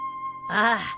ああ。